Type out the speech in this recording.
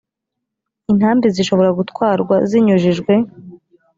intambi zishobora gutwarwa zinyujijwe